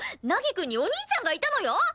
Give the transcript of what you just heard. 凪くんにお兄ちゃんがいたのよ！？